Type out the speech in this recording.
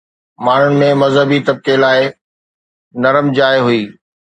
ماڻهن ۾ مذهبي طبقي لاءِ نرم جاءِ هئي